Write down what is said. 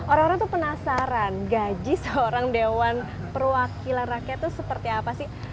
orang orang tuh penasaran gaji seorang dewan perwakilan rakyat itu seperti apa sih